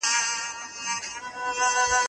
څه شی د افغانستان د رسمیت پېژندلو لپاره اړین شرط دی؟